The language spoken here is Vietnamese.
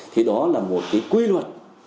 thì đó là một quy luật